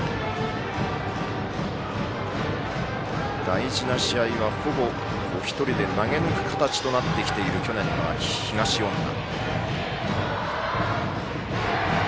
大事な試合は、ほぼ１人で投げ抜く形となってきている去年の秋、東恩納。